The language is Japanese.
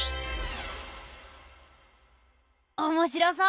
おもしろそう。